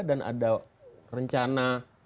dan ada rencana